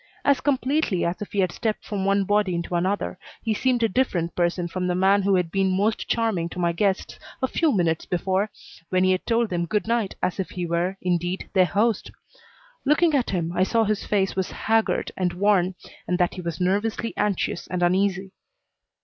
As completely as if he had stepped from one body into another he seemed a different person from the man who had been most charming to my guests a few minutes before when he had told them good night as if he were, indeed, their host. Looking at him, I saw his face was haggard and worn and that he was nervously anxious and uneasy.